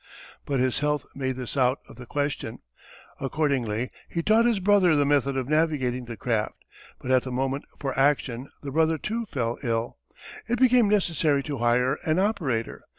But his health made this out of the question. Accordingly he taught his brother the method of navigating the craft, but at the moment for action the brother too fell ill. It became necessary to hire an operator.